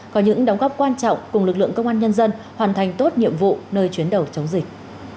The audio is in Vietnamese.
có những đóng góp quan trọng cùng lực lượng công an nhân dân hoàn thành tốt nhiệm vụ nơi chuyến đầu chống dịch